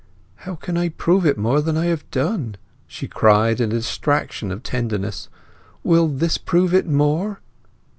"How can I prove it more than I have done?" she cried, in a distraction of tenderness. "Will this prove it more?"